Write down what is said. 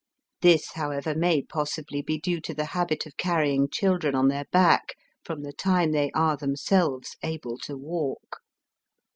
This, however, may possibly be due to the habit of carrying children on their back from the time they are themselves able to walk.